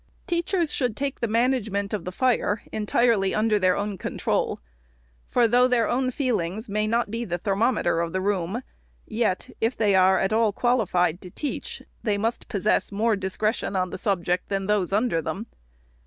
" Teachers should take the management of the fire entirely under their own control ; for though their own feelings may not be the thermometer of the room, yet, if they are at all qualified to teach, they must possess more discretion on the subject than those under them.